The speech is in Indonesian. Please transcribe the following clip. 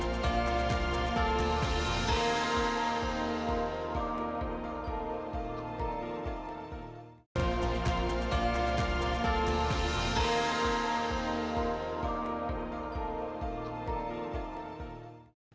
terima kasih pak